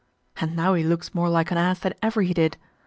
And now he looks more like an ass than ever he did.